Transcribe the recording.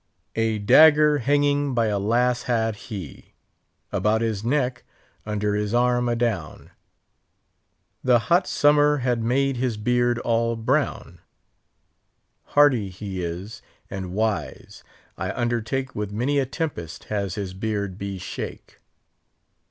"'A dagger hanging by a las hadde he, About his nekke, under his arm adown; The hote sommer hadde made his beard all brown. Hardy he is, and wise; I undertake With many a tempest has his beard be shake.